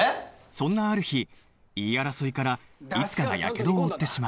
そんなある日言い争いからいつかがやけどを負ってしまう